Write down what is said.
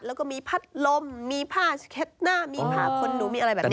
แล้วก็มีพัดลมมีผ้าเช็ดหน้ามีผ้าคนดูมีอะไรแบบนี้